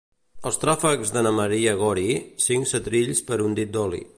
Els tràfecs de na Maria Gori, cinc setrills per un dit d'oli.